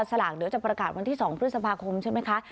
สลากเดี๋ยวจะประกาศวันที่๒พฤษภาคมใช่ไหมคะ